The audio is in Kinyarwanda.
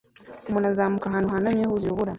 Umuntu azamuka ahantu hahanamye huzuye urubura